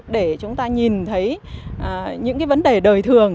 để chúng ta nhìn thấy những cái vấn đề đời thường